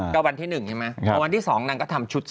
ก็วันที่๑ใช่ไหมพอวันที่๒นางก็ทำชุด